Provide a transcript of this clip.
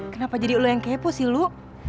kenapa jadi lo yang kepo sih lo